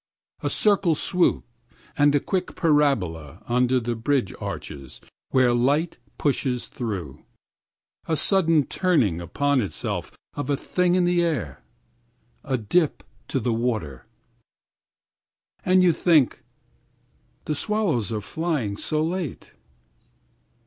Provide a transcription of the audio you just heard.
12A circle swoop, and a quick parabola under the bridge arches13Where light pushes through;14A sudden turning upon itself of a thing in the air.15A dip to the water.16And you think:17"The swallows are flying so late!"